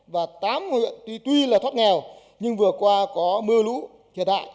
và tám huyện tuy là thoát nghèo nhưng vừa qua có mưa lũ thiệt đại